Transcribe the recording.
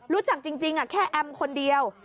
รู้จักจริงแค่แอมคนเดียว